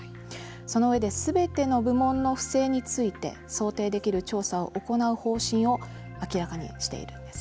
その上で、すべての部門の不正について想定できる調査を行う方針を明らかにしているんです。